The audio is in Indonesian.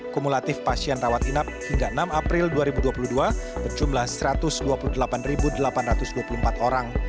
kumulatif pasien rawat inap hingga enam april dua ribu dua puluh dua berjumlah satu ratus dua puluh delapan delapan ratus dua puluh empat orang